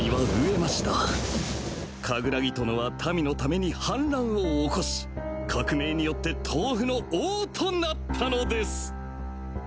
カグラギ殿は民のために反乱を起こし革命によってトウフの王となったのです。